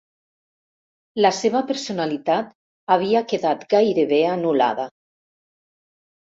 La seva personalitat havia quedat gairebé anul·lada.